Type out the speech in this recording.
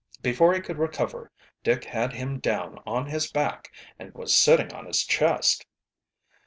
Before he could recover Dick had him down on his back and was sitting on his chest.